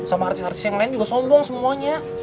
sama artis artis yang lain juga sombong semuanya